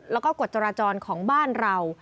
แล้วก็กฎจราจรของบ้านเรา